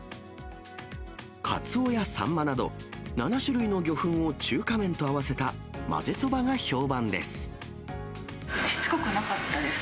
カツオやサンマなど、７種類の魚粉を中華麺と合わせた混ぜそばが評判です。